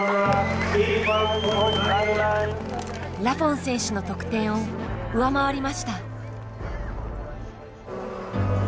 ラフォン選手の得点を上回りました。